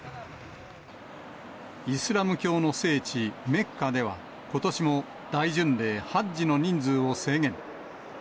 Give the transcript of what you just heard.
イスラム教の聖地、メッカでは、ことしも大巡礼ハッジの人数を制限。